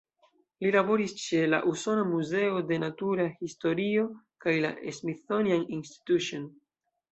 Li laboris ĉe la Usona Muzeo de Natura Historio kaj la "Smithsonian Institution".